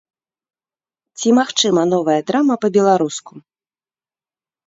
Ці магчыма новая драма па-беларуску?